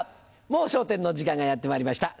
『もう笑点』の時間がやってまいりました。